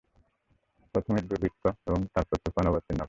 প্রথমে দুর্ভিক্ষ এবং তারপর তুফান অবতীর্ণ করেন।